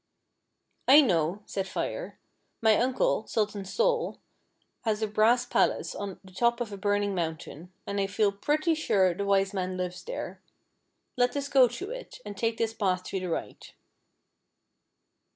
" 1 know," said Fire ;" my uncle. Sultan Sol, has a brass palace on the top of a burning mountain, and I feel pretty sure the Wise Man lives there. Let us go to it, and take this path to the right."